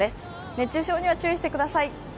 熱中症には注意してください。